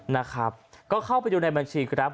นะครับก็เข้าไปดูในบัญชีกราฟ